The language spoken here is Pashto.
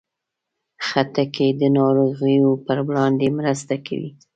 خټکی د ناروغیو پر وړاندې مرسته کوي.